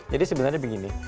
jadi sebenarnya begini